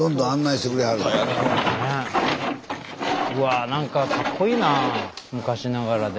スタジオうわ何かかっこいいなあ昔ながらで。